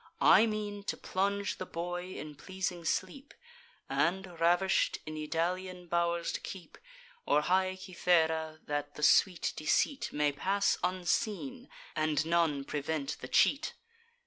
I mean to plunge the boy in pleasing sleep, And, ravish'd, in Idalian bow'rs to keep, Or high Cythera, that the sweet deceit May pass unseen, and none prevent the cheat.